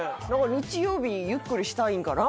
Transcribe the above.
日曜日ゆっくりしたいんかな？